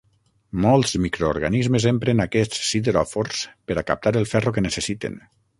Molts microorganismes empren aquests sideròfors per a captar el ferro que necessiten.